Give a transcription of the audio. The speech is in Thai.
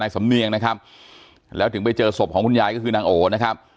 สำเนียงนะครับแล้วถึงไปเจอศพของคุณยายก็คือนางโอนะครับ